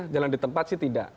jalan di tempat sih tidak